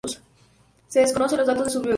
Se desconocen los datos de su biografía.